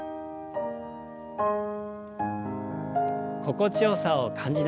心地よさを感じながら。